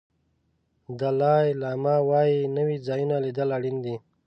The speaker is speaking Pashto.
دالای لاما وایي نوي ځایونه لیدل اړین دي.